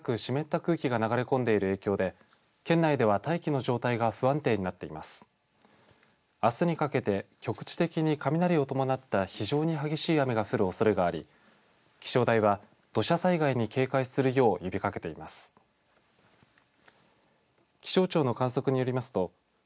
あすにかけて局地的に雷を伴った非常に激しい雨が降るおそれがあり気象台は土砂災害に警戒するよう呼びかけています。